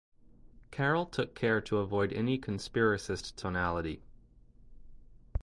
Karel took care to avoid any conspiracist tonality.